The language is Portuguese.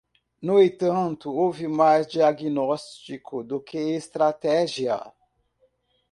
No entanto, houve mais diagnóstico do que estratégia.